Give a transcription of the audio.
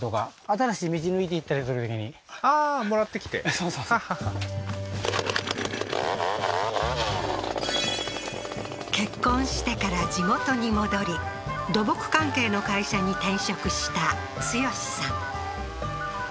そうそうそう結婚してから地元に戻り土木関係の会社に転職した剛さん